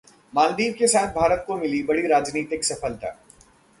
मालदीव के साथ भारत को मिली बड़ी राजनयिक सफलता